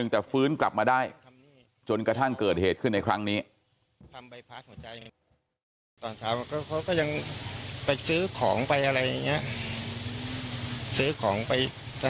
แต่ฟื้นกลับมาได้จนกระทั่งเกิดเหตุขึ้นในครั้งนี้